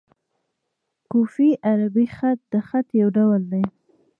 کوفي عربي خط؛ د خط یو ډول دﺉ.